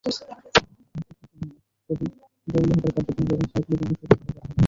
আর-কিছুর জন্যে না, কেবল দেউলে হবার কার্যপ্রণালী এবং সাইকোলজি অনুশীলন করবার জন্যে।